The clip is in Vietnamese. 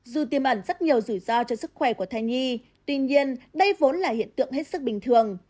dù tiêm ẩn rất nhiều rủi ro cho sức khỏe của thai nhi tuy nhiên đây vốn là hiện tượng hết sức bình thường